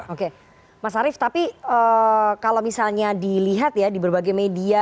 oke mas arief tapi kalau misalnya dilihat ya di berbagai media